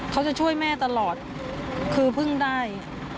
เขาจะช่วยแม่ตลอดคือเพิ่งได้